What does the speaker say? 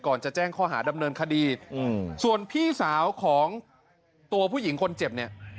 จะแจ้งข้อหาดำเนินคดีส่วนพี่สาวของตัวผู้หญิงคนเจ็บเนี่ย